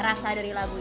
rasa dari lagunya